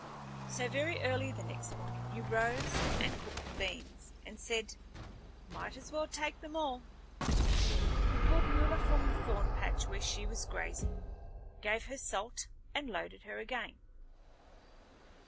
So very early the next morning he rose and cooked beans, and said, "Might as well take them all." He called Mula from the thorn patch where she was grazing, gave her salt and loaded her again.